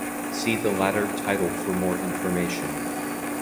See the latter title for more information.